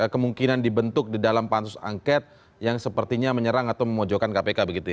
kemungkinan dibentuk di dalam pansus angket yang sepertinya menyerang atau memojokkan kpk begitu ya